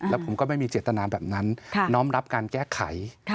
แล้วผมก็ไม่มีเจตนาแบบนั้นน้อมรับการแก้ไข